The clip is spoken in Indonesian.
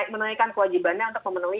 menaikkan kewajibannya untuk memenuhi